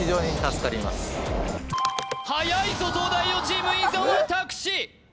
はやいぞ東大王チーム伊沢拓司